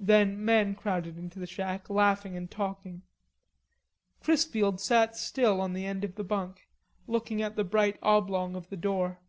Then men crowded into the shack, laughing and talking. Chrisfield sat still on the end of the bunk, looking at the bright oblong of the door.